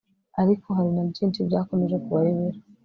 ariko hari na byinshi byakomeje kubayobera